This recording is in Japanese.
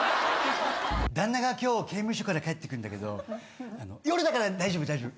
旦那が今日刑務所から帰ってくるんだけど夜だから大丈夫大丈夫！